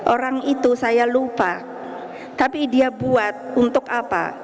orang itu saya lupa tapi dia buat untuk apa